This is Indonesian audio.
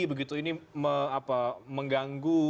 begitu ini mengganggu